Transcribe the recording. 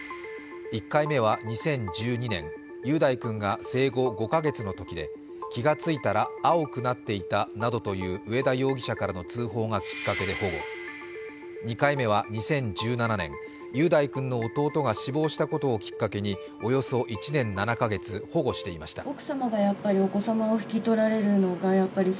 １回目は２０１２年、雄大君が生後５カ月のときで、気が付いたら青くなっていたなどという上田容疑者からの通報がきっかけで保護、２回目は２０１７年雄大君の弟が死亡したことをきっかけにおよそ１年７カ月、保護していました。